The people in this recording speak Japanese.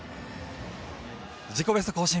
自己ベスト更新。